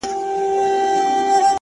سر مي بلند دی ـ